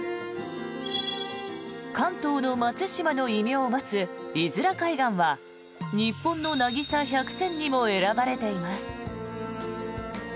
関東の松島の異名を持つ五浦海岸は日本の渚百選にも選ばれています。